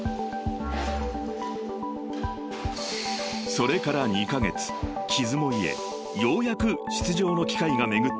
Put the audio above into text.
［それから２カ月傷も癒えようやく出場の機会が巡ってきました］